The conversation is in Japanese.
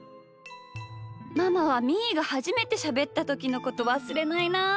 ママはみーがはじめてしゃべったときのことわすれないなあ。